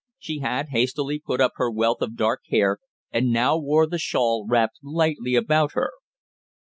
She had hastily put up her wealth of dark hair, and now wore the shawl wrapped lightly about her.